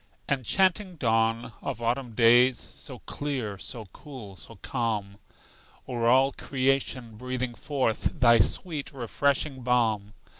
Enchanting dawn of autumn days, So clear, so cool, so calm, O'er all creation breathing forth Thy sweet refreshing balm!